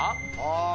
ああ。